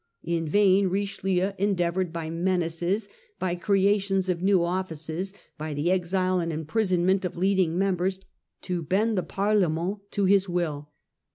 In vain Richelieu endeavoured by menaces, by creations of new offices, by the exile and imprisonment of leading members, to bend the Parlement to his will.